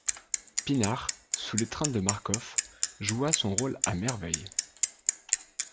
Pinard, sous l'étreinte de Marcof, joua son rôle à merveille.